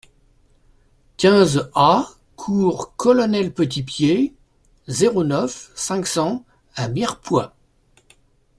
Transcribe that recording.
quinze A cours Colonel Petitpied, zéro neuf, cinq cents à Mirepoix